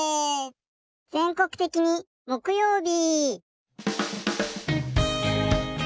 全国的に木曜日！